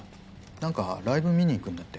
なんかライブ見に行くんだって。